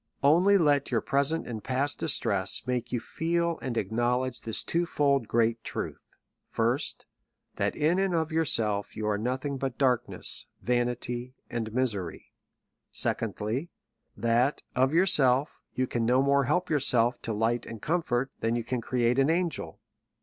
Only let your present and past distress make you feel and acknowledge this two tbid great truth : first, that in and of yourself you are nothing but darkness^ vanity, and misery. Secotidly, that, of yourself, you can no more help yourself to light and comfort, than you can create an angel.